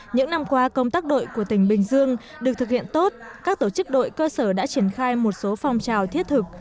những năm qua công tác đội của tỉnh bình dương được thực hiện tốt các tổ chức đội cơ sở đã triển khai một số phong trào thiết thực